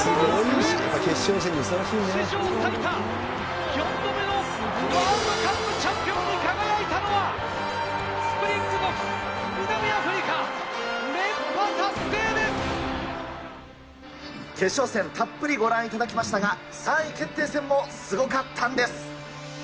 史上最多、４度目のワールドカップチャンピオンに輝いたのは、決勝戦、たっぷりご覧いただきましたが、３位決定戦もすごかったんです。